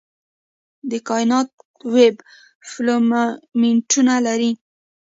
د کائناتي ویب فیلامنټونه لري.